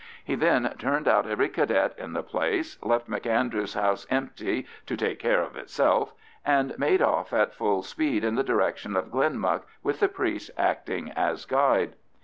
He then turned out every Cadet in the place, left M'Andrew's house empty to take care of itself, and made off at full speed in the direction of Glenmuck with the priest acting as guide.